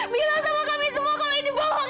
mila sama kami semua kalau ini bohong